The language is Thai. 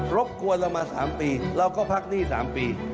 บกวนเรามา๓ปีเราก็พักหนี้๓ปี